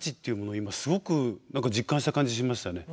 今すごく何か実感した感じしましたね。